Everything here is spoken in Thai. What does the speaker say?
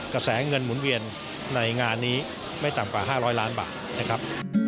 กระแสเงินหมุนเวียนในงานนี้ไม่ต่ำกว่า๕๐๐ล้านบาทนะครับ